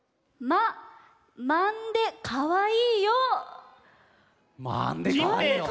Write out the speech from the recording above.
「まんでかわいいよ」？